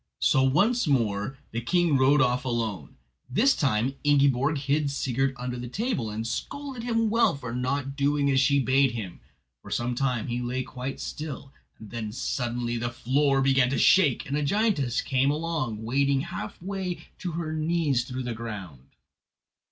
So once more the king rode off alone. This time Ingiborg hid Sigurd under the table, and scolded him well for not doing as she bade him. For some time he lay quite still, and then suddenly the floor began to shake, and a giantess came along wading half way to her knees through the ground.